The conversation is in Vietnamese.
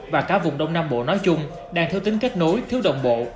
và cả vùng đông nam bộ nói chung đang thiếu tính kết nối thiếu đồng bộ